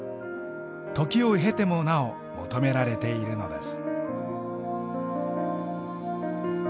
時を経てもなお求められているのです。